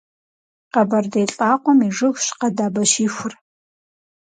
Къэбэрдей лӀакъуэм и жыгщ къэдабэщихур.